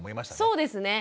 そうですね。